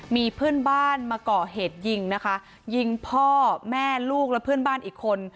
มีเพื่อนบ้านมาก่อเหตุยิงนะคะยิงพ่อแม่ลูกและเพื่อนบ้านอีกคน